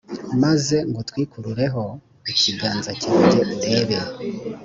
maze ngutwikurureho ikiganza cyanjye urebe